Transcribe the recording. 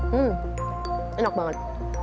hmm enak banget